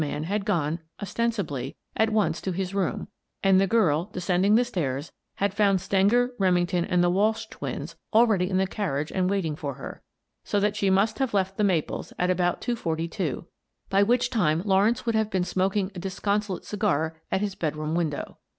^flf^^lfi^^^. Bromley Grows Mysterious 223 man had gone, ostensibly, at once to his own room, and the girl, descending the stairs, had found Stenger, Remington, and the Walsh twins already in the carriage and waiting for her, so that she must have left " The Maples " at about two forty two, by which time Lawrence would have been smoking a disconsolate cigar at his bedroom win dow.